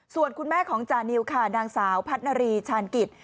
ส่วนคุณแม่ของจานิวค่ะนางสาวพัฒนารีชาญกิจ